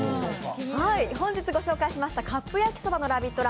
本日ご紹介しましたカップ焼きそばのラヴィット！